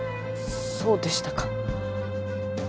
そうでしたか。